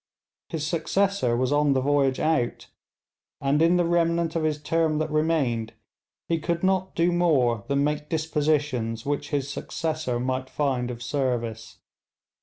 His successor was on the voyage out, and in the remnant of his term that remained he could not do more than make dispositions which his successor might find of service.